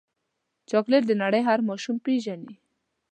چاکلېټ د نړۍ هر ماشوم پیژني.